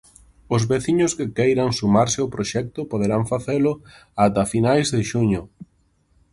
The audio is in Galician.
Os veciños que queiran sumarse ao proxecto poderán facelo ata finais de xuño.